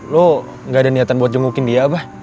lu gak ada niatan buat jengukin dia apa